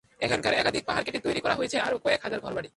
এখানকার একাধিক পাহাড় কেটে তৈরি করা হয়েছে আরও কয়েক হাজার ঘরবাড়ি।